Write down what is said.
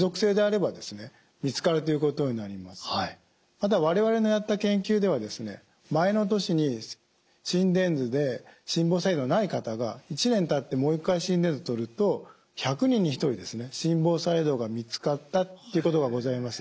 また我々のやった研究では前の年に心電図で心房細動ない方が１年たってもう一回心電図をとると１００人に１人心房細動が見つかったということがございます。